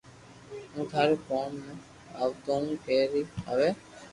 ھون ٿاري ڪوم نا آوو تي ڪي ري آوئ